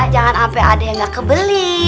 jangan sampai ada yang nggak kebeli